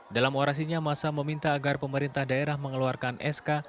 dalam orasinya masa meminta agar pemerintah daerah mengeluarkan sk